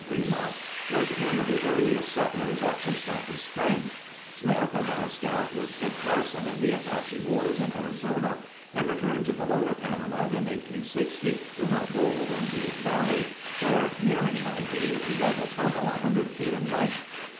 Fremont was one of the earliest settlers at Post Office Springs. Smith had been a scout with Kit Carson in the Apache wars in Arizona and returned to the lower Panamint in 1860, to hunt gold in Butte Valley, where, nearing 90 he dug a tunnel 100 feet in length.